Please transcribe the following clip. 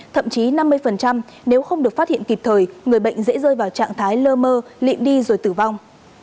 thậm chí năm mươi nếu không được phát hiện kịp thời người bệnh dễ rơi vào trạng thái lơ mơ lịm đi rồi tử vong